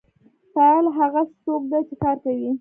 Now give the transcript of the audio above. فاعل هغه څوک دی چې کار کوي.